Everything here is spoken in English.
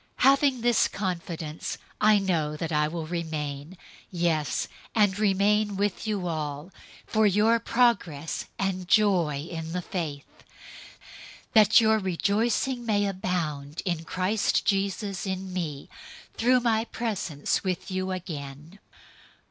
001:025 Having this confidence, I know that I will remain, yes, and remain with you all, for your progress and joy in the faith, 001:026 that your rejoicing may abound in Christ Jesus in me through my presence with you again.